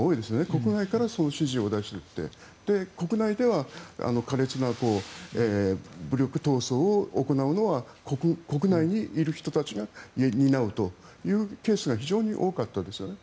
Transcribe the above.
国外から指示を出して国内で苛烈な武力闘争を行うのは国内にいる人たちが担うというケースが非常に多かったですよね。